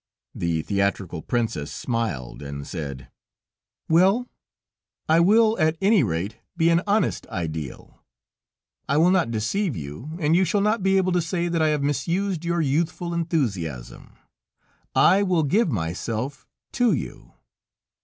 The theatrical princess smiled, and said: "Well, I will at any rate be an honest ideal; I will not deceive you, and you shall not be able to say that I have misused your youthful enthusiasm. I will give myself to you...."